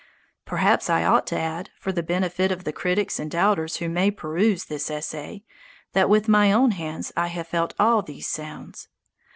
Perhaps I ought to add, for the benefit of the critics and doubters who may peruse this essay, that with my own hands I have felt all these sounds.